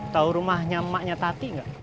tau rumahnya maknya tati gak